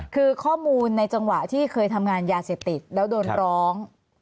คือข้อมูลในจังหวะที่เคยทำงานยาเสพติดแล้วโดนร้อง